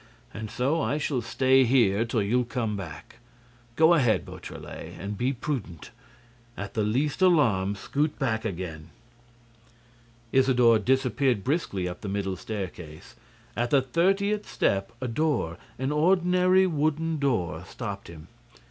And so I shall stay here till you come back. Go ahead, Beautrelet, and be prudent: at the least alarm, scoot back again." Isidore disappeared briskly up the middle staircase. At the thirtieth step, a door, an ordinary wooden door, stopped him.